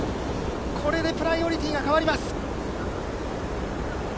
これでプライオリティーが変わります。